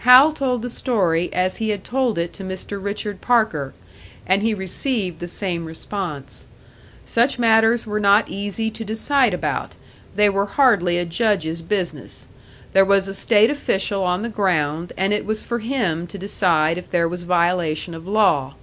Hal told the story as he had told it to Mr. Richard Parker; and he received the same response. Such matters were not easy to decide about; they were hardly a Judge's business. There was a state official on the ground, and it was for him to decide if there was violation of law.